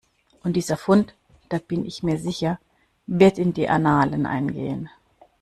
Und dieser Fund, da bin ich mir sicher, wird in die Annalen eingehen.